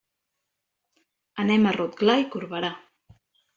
Anem a Rotglà i Corberà.